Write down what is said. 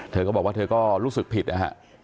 เธอก็บอกว่าเธอก็รู้สึกผิดนะฮะ